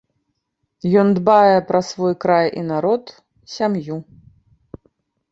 Ён дбае пра свой край і народ, сям'ю.